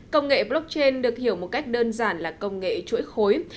công nghệ blockchain được hiểu một cách đơn giản là công nghệ chuỗi khối